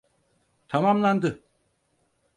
Tamamlandı.